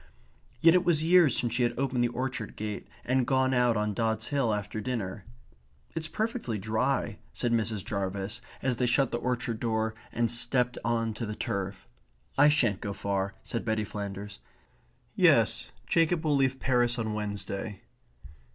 Yet it was years since she had opened the orchard gate and gone out on Dods Hill after dinner. "It is perfectly dry," said Mrs. Jarvis, as they shut the orchard door and stepped on to the turf. "I shan't go far," said Betty Flanders. "Yes, Jacob will leave Paris on Wednesday."